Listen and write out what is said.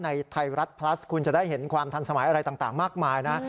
ไทยรัฐพลัสคุณจะได้เห็นความทันสมัยอะไรต่างมากมายนะ